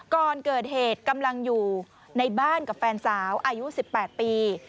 ก่อนเกิดเหตุกำลังอยู่ในบ้านกับแฟนสาวอายุ๑๘ปี